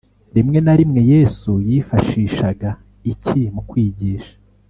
Rimwe na rimwe Yesu yifashishaga iki mu kwigisha